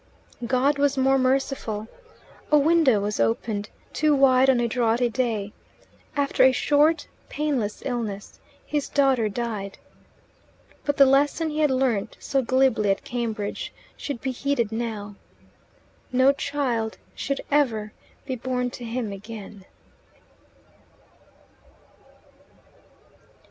God was more merciful. A window was opened too wide on a draughty day after a short, painless illness his daughter died. But the lesson he had learnt so glibly at Cambridge should be heeded now; no child should ever be born to him again.